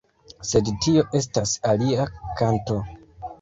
Sed tio estas alia kanto.